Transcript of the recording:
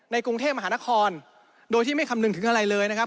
กรุงเทพมหานครโดยที่ไม่คำนึงถึงอะไรเลยนะครับ